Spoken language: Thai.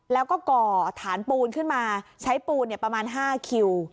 แล้วก็ก่อฐานปูนขึ้นมาใช้ปูนประมาณ๕คิว